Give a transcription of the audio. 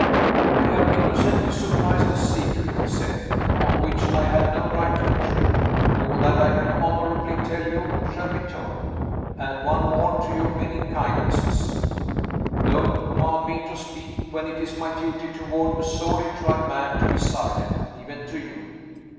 "'I have innocently surprised a secret,' he said, 'on which I had no right to intrude. All that I can honorably tell you, shall be told. Add one more to your many kindnesses don't command me to speak, when it is my duty toward a sorely tried man to be silent, even to you.